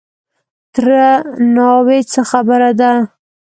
_تره ناوې! څه خبره ده؟